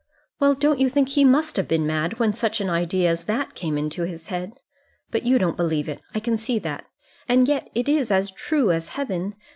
"Well, don't you think he must have been mad when such an idea as that came into his head? But you don't believe it; I can see that. And yet it is as true as heaven.